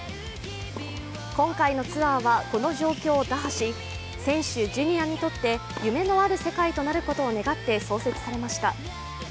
今回のツアーは、この状況を打破し選手、ジュニアにとって夢のある世界となることを願って創設されました。